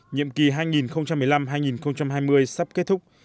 nhiệm kỳ hai nghìn một mươi năm hai nghìn hai mươi sắp kết thúc